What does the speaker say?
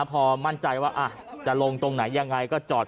ปอล์กับโรเบิร์ตหน่อยไหมครับ